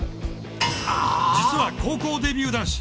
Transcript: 実は高校デビュー男子。